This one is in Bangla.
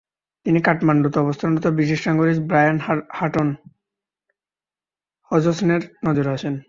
তিনি কাঠমান্ডুতে অবস্থানরত ব্রিটিশ নাগরিক ব্রায়ান হাটন হজসনের নজরে আসেন।